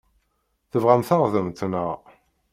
Tebɣam taɣdemt, naɣ?